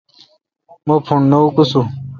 مہ پھݨ نہ اکوسون۔